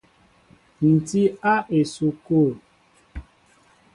Ǹ tí a esukul.